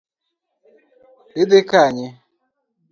Idhi Kanye?